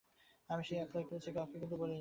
আমি যে অ্যাপ্লাই করেছি, কাউকে কিন্তু বলিনি।